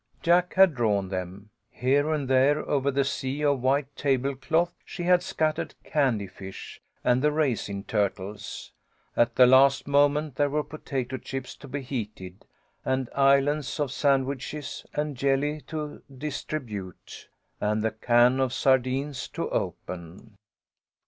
Jack had drawn them. Here and there, over the sea of white table cloth, she had scattered candy fish and the raisin tur tles. At the last moment there were potato chips to be heated, and islands of sandwiches and jelly to dis tribute, and the can of sardines to open.